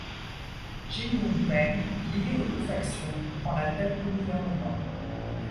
Jin Yunpeng, lié aux deux factions, prend la tête du gouvernement.